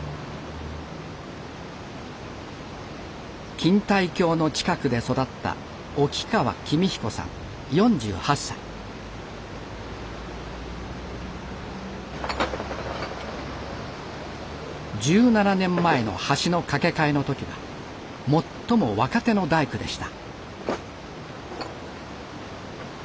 錦帯橋の近くで育った１７年前の橋の架け替えの時は最も若手の大工でした。